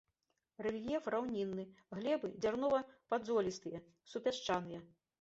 Рэльеф раўнінны, глебы дзярнова-падзолістыя супясчаныя.